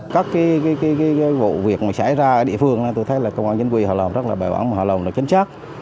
các cái vụ việc mà xảy ra ở địa phương tôi thấy là công an chính quy họ làm rất là bảo ẩn họ làm rất là chân chắc